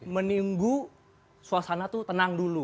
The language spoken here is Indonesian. menunggu suasana tuh tenang dulu